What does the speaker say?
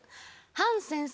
ハン先生？